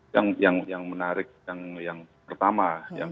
yang menarik yang pertama